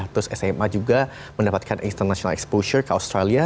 terus sma juga mendapatkan international exposure ke australia